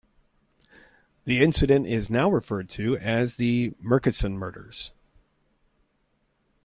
The incident is now referred to as the Murchison Murders.